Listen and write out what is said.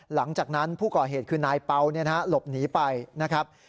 หลังจากนั้นผู้ก่อเหตุคือนายเปล่าหลบหนีไปนะครับ